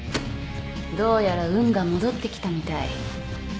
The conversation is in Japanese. どうやら運が戻ってきたみたい。